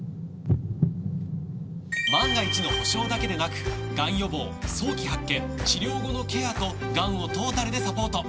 万が一の保障だけでなくがん予防早期発見治療後のケアとがんをトータルでサポート！